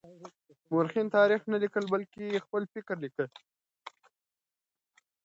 مورخين تاريخ نه ليکي بلکې خپل فکر ليکي.